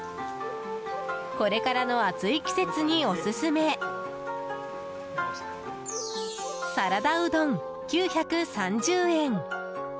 これからの暑い季節にオススメサラダうどん、９３０円。